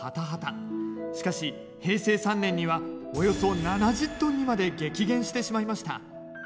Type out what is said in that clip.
しかし平成３年にはおよそ７０トンにまで激減してしまいました。